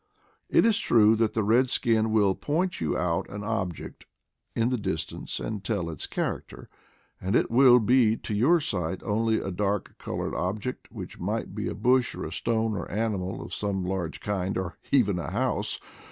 It is true that the redskin will point you out an object in the distance and tell its character, and it will be to your sight only a dark colored object, which might be a bush, or stone, or animal of some large kind, or even a house.